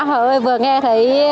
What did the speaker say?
a hờ ơi vừa nghe thấy